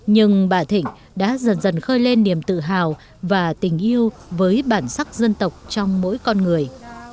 nhưng bà thịnh đã dần dần khơi lên niềm tự hào và tình yêu với bản sắc dân tộc trong mỗi con người